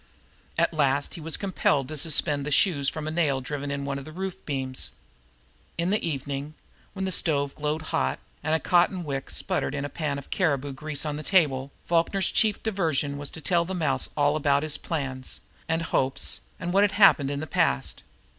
At last he was compelled to suspend the shoes from a nail driven in one of the roof beams. In the evening, when the stove glowed hot, and a cotton wick sputtered in a pan of caribou grease on the table, Falkner's chief diversion was to tell the mouse all about his plans, and hopes, and what had happened in the past.